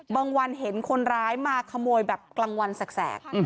วันเห็นคนร้ายมาขโมยแบบกลางวันแสก